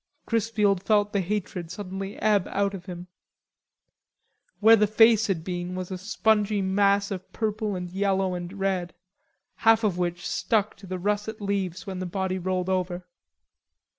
Chrisfield felt the hatred suddenly ebb out of him. Where the face had been was a spongy mass of purple and yellow and red, half of which stuck to the russet leaves when the body rolled over.